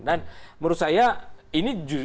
dan menurut saya ini